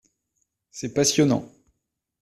C’est passionnant.